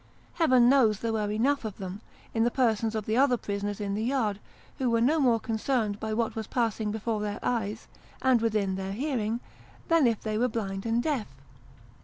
Heaven knows there were enough of them, in the persons of the other prisoners in the yard, who were no more concerned by what was passing before their eyes, and within their hearing, than if they were blind and deaf.